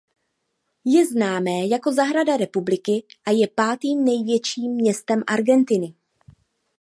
Je známé jako „Zahrada republiky“ a je pátým největším městem Argentiny.